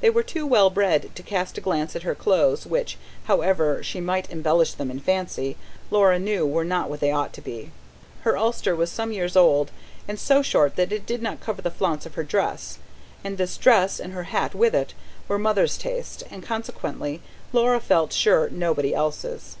They were too well bred to cast a glance at her clothes, which, however she might embellish them in fancy, Laura knew were not what they ought to be: her ulster was some years old, and so short that it did not cover the flounce of her dress, and this dress, and her hat with it, were Mother's taste, and consequently, Laura felt sure, nobody else's.